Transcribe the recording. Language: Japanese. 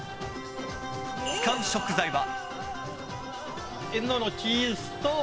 使う食材は。